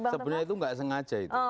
sebenarnya itu nggak sengaja itu